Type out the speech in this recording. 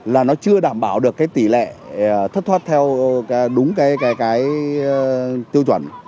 là nó chưa đảm bảo được cái tỷ lệ thất thoát theo đúng cái tiêu chuẩn